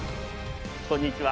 こんにちは。